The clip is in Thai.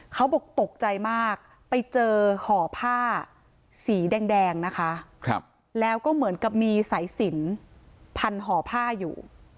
เขาบอกตกใจมากไปเจอห่อผ้าสีแดงนะคะแล้วก็เหมือนกับมีสายสินพันห่อผ้าอยู่